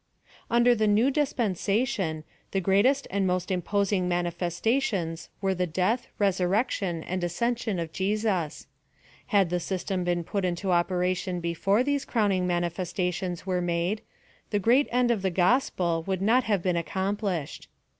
Under the New Dispensation, the greatest and most imposing manifestations were the death, resur rection and ascension of Jesus : had the system been put into operation before these crowning mani festations were made, the great end of the gospel would not have been accomplished.